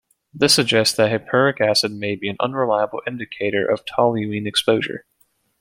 This suggests that hippuric acid may be an unreliable indicator of toluene exposure.